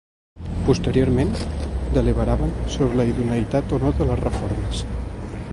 Posteriorment, deliberaven sobre la idoneïtat o no de les reformes.